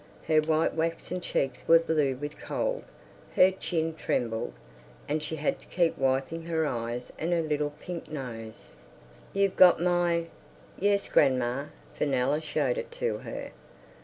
Her white waxen cheeks were blue with cold, her chin trembled, and she had to keep wiping her eyes and her little pink nose. "You've got my—" "Yes, grandma." Fenella showed it to her.